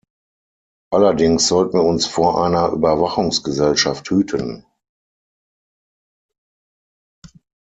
Allerdings sollten wir uns vor einer Überwachungsgesellschaft hüten.